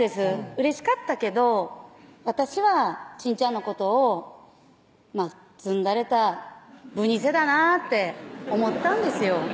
うれしかったけど私はちんちゃんのことをずんだれたぶにせだなって思ったんですよ